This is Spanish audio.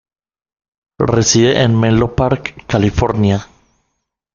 Reside en Menlo Park, California.